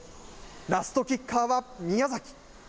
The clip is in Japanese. ラストキッカーは宮崎。